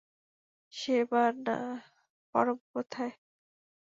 শোবানা, পরম কোথায়?